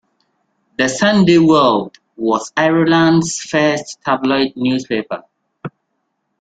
The "Sunday World" was Ireland's first tabloid newspaper.